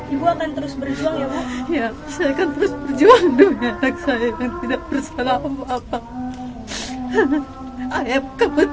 ibu akan terus berjuang ya ibu